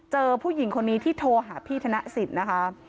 ผู้หญิงคนนี้ที่โทรหาพี่ธนสิทธิ์นะคะ